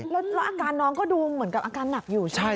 แล้วอาการน้องก็ดูเหมือนกับอาการหนักอยู่ใช่ไหม